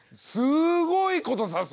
すごいことさす！